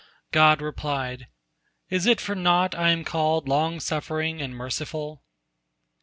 God replied, "Is it for naught I am called long suffering and merciful?"